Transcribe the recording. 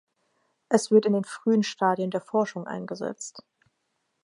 Es wird in den frühen Stadien der Forschung eingesetzt.